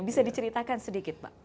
beritahukan sedikit pak